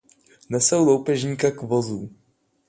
Nesou Loupežníka k vozu.